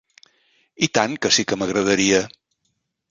I tant que sí que m'agradaria!